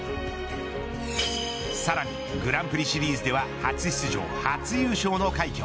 さらにグランプリシリーズでは初出場、初優勝の快挙。